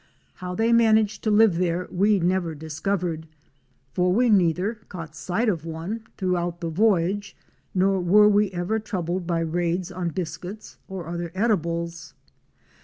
How they managed to live there we never discovered, for we neither caught sight of one throughout the voyage, nor were we ever troubled by raids on biscuits or other edibles.